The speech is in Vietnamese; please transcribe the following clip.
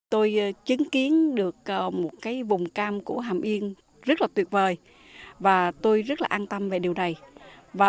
tôi chứng kiến được một cái vùng cam của hàm yên rất là tuyệt vời và tôi rất là an tâm về điều này và